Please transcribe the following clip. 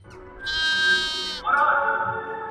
• وهم ئې چيري ږغ ئې د کومه ځايه راپورته کېږي.